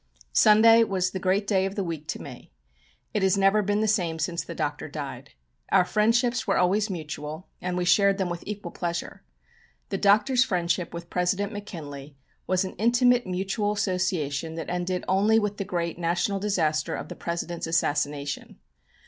Sunday was the great day of the week to me. It has never been the same since the Doctor died. Our friendships were always mutual, and we shared them with equal pleasure. The Doctor's friendship with President McKinley was an intimate mutual association that ended only with the great national disaster of the President's assassination.